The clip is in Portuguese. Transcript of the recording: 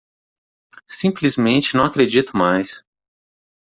Simplesmente não acredito mais